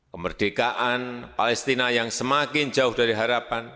kemerdekaan palestina yang semakin jauh dari harapan